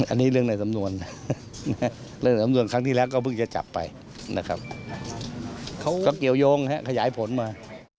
อันนี้เรื่องในสำนวนเรื่องสำนวนครั้งที่แล้วก็เพิ่งจะจับไปนะครับเขาก็เกี่ยวยงขยายผลมา